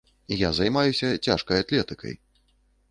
Я займаюся цяжкай атлетыкай.